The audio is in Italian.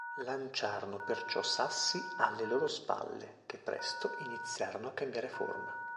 Lanciarono perciò sassi alle loro spalle, che presto iniziarono a cambiare forma.